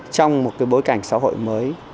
trong một cái bối cảnh xã hội mới